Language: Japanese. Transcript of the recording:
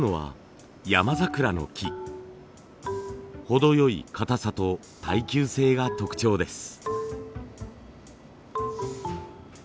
程良いかたさと耐久性が特徴です。